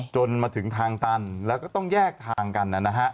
จนมาถึงทางตันแล้วก็ต้องแยกทางกันนะฮะ